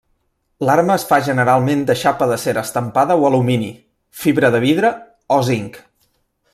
L'arma es fa generalment de xapa d'acer estampada o alumini, fibra de vidre, o zinc.